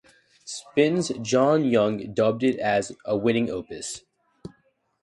"Spin"s Jon Young dubbed it as a "winning opus".